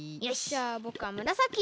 じゃあぼくはむらさき！